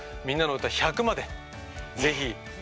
「みんなのうた１００」まで是非。